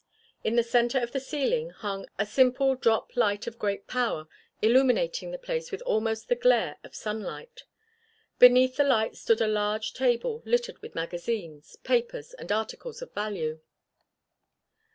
In the center of the ceiling hung a simple drop light of great power illuminating the place with almost the glare of sunlight. Beneath the light stood a large table littered with magazines, papers and articles of value.